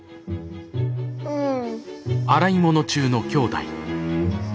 うん。